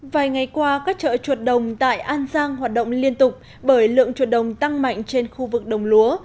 vài ngày qua các chợ chuột đồng tại an giang hoạt động liên tục bởi lượng chuột đồng tăng mạnh trên khu vực đồng lúa